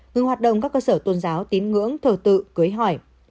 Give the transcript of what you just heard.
ngừng hoạt động các cơ sở tôn giáo tín ngưỡng thờ tự cư cưới hỏi